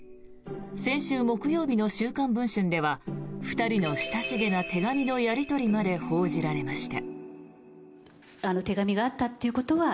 先週木曜日の「週刊文春」では２人の親しげな手紙のやり取りまで報じられました。